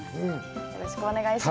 よろしくお願いします。